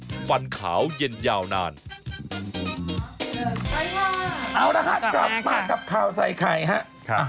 เอาล่ะค่ะกลับมากกับข่าวใส่ไข่ครับ